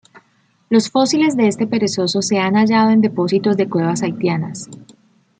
Los fósiles de este perezoso se han hallado en depósitos de cuevas haitianas.